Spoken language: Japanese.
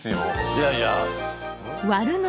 いやいや。